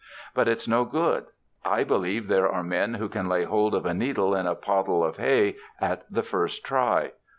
But it's no good. I believe there are men who can lay hold of a needle in a pottle of hay at the first try.